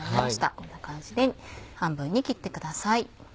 こんな感じで半分に切ってください。